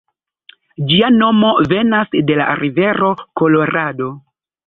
Ĝia nomo venas de la rivero Kolorado.